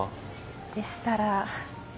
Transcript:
でしたら。